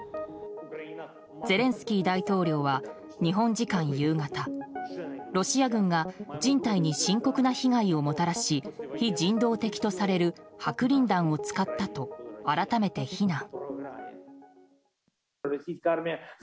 ゼレンスキー大統領は日本時間夕方ロシア軍が人体に深刻な被害をもたらし非人道的とされる白リン弾を使ったと改めて非難。